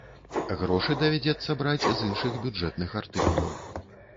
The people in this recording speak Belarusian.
Грошы давядзецца браць з іншых бюджэтных артыкулаў.